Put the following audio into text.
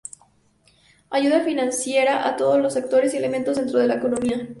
Ayuda financiera a todos los sectores y elementos dentro de la economía.